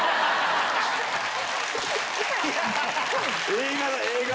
映画だ映画！